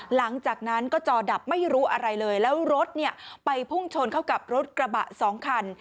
หลังจากนั้นก็จอดับไม่รู้อะไรเลยแล้วรถเนี่ยไปพุ่งชนเข้ากับรถกระบะสองคัน